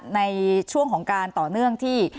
ในช่วงของการต่อเนื่องที่